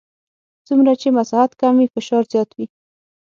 څومره چې مساحت کم وي فشار زیات وي.